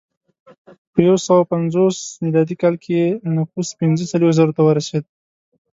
په یو سوه پنځوس میلادي کال کې نفوس پنځه څلوېښت زرو ته ورسېد